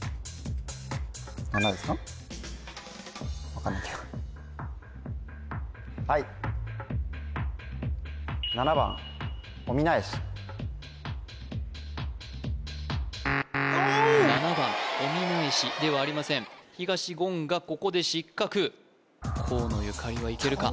分かんないけどはい７番おみなえしではありません東言がここで失格河野ゆかりはいけるか？